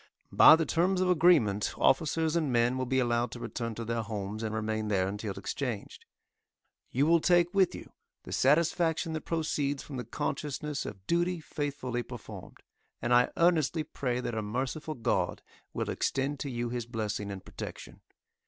By the terms of agreement officers and men will be allowed to return to their homes and remain there until exchanged. You will take with you the satisfaction that proceeds from the consciousness of duty faithfully performed; and I earnestly pray that a merciful God will extend to you His blessing and protection.